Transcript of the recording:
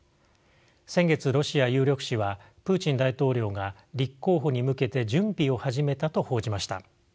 先月ロシア有力紙はプーチン大統領が立候補に向けて準備を始めたと報じました。